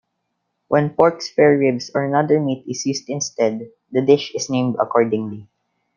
When pork spareribs or another meat is used instead, the dish is named accordingly.